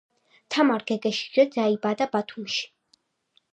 თამარ გეგეშიძე დაიბადა ბათუმში